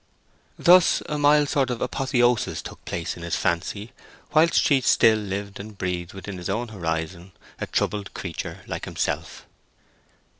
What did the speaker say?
Thus a mild sort of apotheosis took place in his fancy, whilst she still lived and breathed within his own horizon, a troubled creature like himself.